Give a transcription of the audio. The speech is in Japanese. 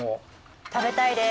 食べたいです！